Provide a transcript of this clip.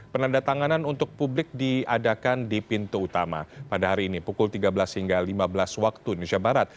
penandatanganan untuk publik diadakan di pintu utama pada hari ini pukul tiga belas hingga lima belas waktu indonesia barat